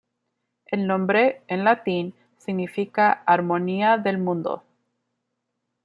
El nombre, en latín, significa "armonía del mundo".